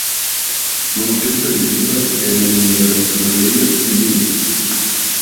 Nuntempe li vivas en Miercurea Ciuc.